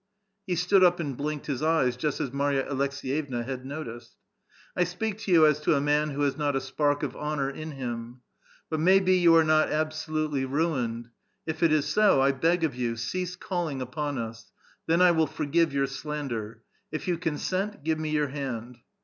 He stood up and blinked his eyes, just as Marya Aleks6 yevna had noticed. '* 1 speak to you as to a man who has not a spark of honor in him. But may be you are not absolutely ruined. If it is so, 1 beg of you, cease calling upon us ! Then I will forgive your slander. If you consent, give me your hand.